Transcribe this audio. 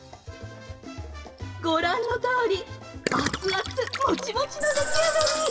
ご覧のとおり熱々モチモチの出来上がり！